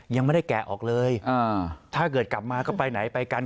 ยังไม่ได้แกะออกเลยถ้าเกิดกลับมาก็ไปไหนไปกัน